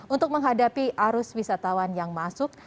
untuk menghadapi arus wisatawan yang masuk